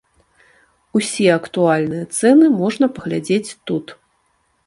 Усе актуальныя цэны можна паглядзець тут.